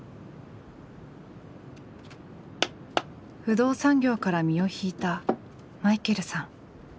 不動産業から身を引いたマイケルさん。